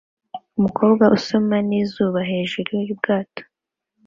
umukobwa usoma n'izuba hejuru yubwato